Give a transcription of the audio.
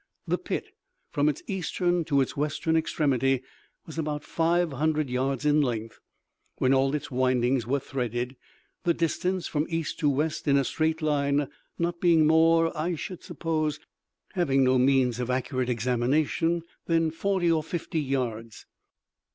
The pit, from its eastern to its western extremity, was about five hundred yards in length, when all its windings were threaded; the distance from east to west in a straight line not being more (I should suppose, having no means of accurate examination) than forty or fifty yards.